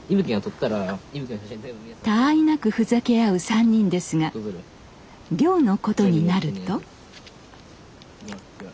たあいなくふざけあう３人ですが漁のことになると。